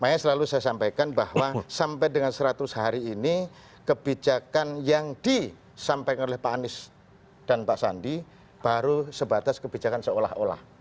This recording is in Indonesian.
makanya selalu saya sampaikan bahwa sampai dengan seratus hari ini kebijakan yang disampaikan oleh pak anies dan pak sandi baru sebatas kebijakan seolah olah